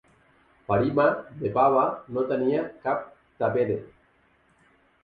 Parima, The Pava, no tenia cap "tapere".